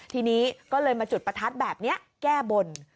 ทีนี้ก็เลยมาจุดประทัดแบบนี้แก้บน